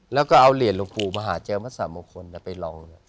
แล้วก็เอาเหรียญลูกปู่มหาเจมส์สามงคลไปร้องเนี่ย